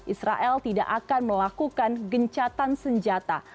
israel tidak akan melakukan gencatan senjata